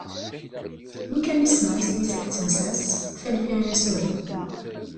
Lufan i ssneɣ isem-is akked tensa-s, talfi i as-uriɣ.